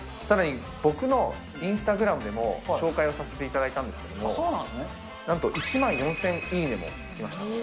さらに僕のインスタグラムでも紹介をさせていただいたんですけれども、なんと１万４０００いいねもつきました。